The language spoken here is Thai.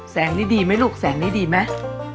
แสงนี้ดีไหมลูกแสงนี้ดีไหม